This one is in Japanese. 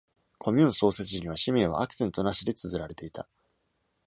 コミューン創設時には、市名はアクセントなしで綴られていた。